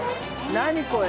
何これ？